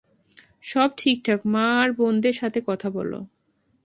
সব ঠিকঠাক, মা আর বোনদের সাথে কথা বল।